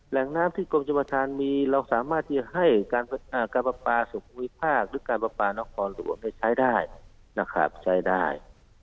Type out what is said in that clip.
แหล่งน้ำที่กรมจับประทานมีเราสามารถที่ให้การประทานการประปาสมมุติภาคหรือการประปาน้องคอหลวงได้ใช้ได้นะครับใช้ได้